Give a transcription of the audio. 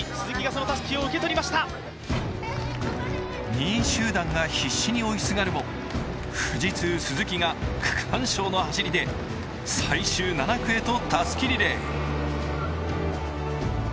２位集団が必死に追いすがるも、富士通・鈴木が区間賞の走りで最終７区へと、たすきリレー。